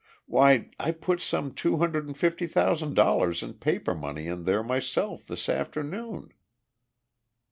Why, I put some two hundred and fifty thousand dollars in paper money in there myself this afternoon!"